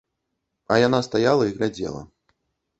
А яна стаяла і глядзела.